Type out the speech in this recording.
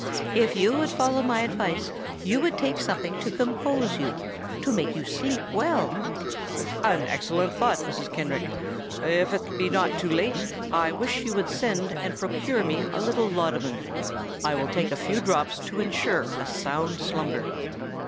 "If you would follow my advice you would take something to compose you—to make you sleep well——" "An excellent thought, Mrs. Kenrick! If it be not too late, I wish you would send and procure me a little laudanum: I will take a few drops to ensure a sound slumber."